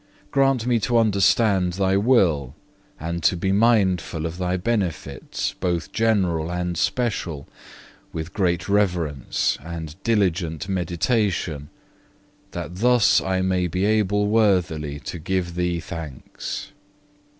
Grant me to understand Thy will and to be mindful of Thy benefits, both general and special, with great reverence and diligent meditation, that thus I may be able worthily to give Thee thanks.